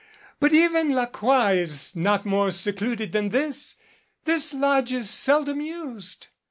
But even La Croix is not more secluded than this. This lodge is sel dom used.